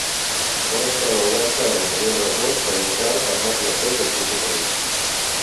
Una escala oberta a l'interior del mur perimetral permet l'accés al pis superior.